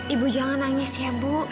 ibu jangan nangis ya bu